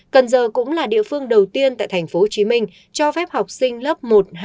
cần giờ cũng là địa phương đầu tiên tại tp hcm cho phép học sinh lớp một nghìn hai trăm sáu mươi chín một mươi hai